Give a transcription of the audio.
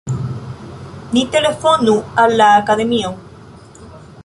Ni telefonu al la Akademio!